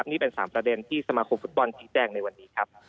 นี่เป็น๓ประเด็นที่สมาคมฟุตบอลชี้แจงในวันนี้ครับ